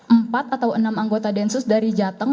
empat atau enam anggota densus dari jateng